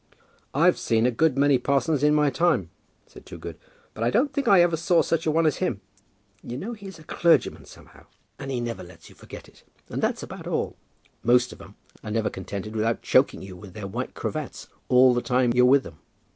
"I've seen a good many parsons in my time," said Toogood; "but I don't think I ever saw such a one as him. You know he is a clergyman somehow, and he never lets you forget it; but that's about all. Most of 'em are never contented without choking you with their white cravats all the time you're with 'em.